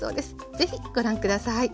是非ご覧下さい。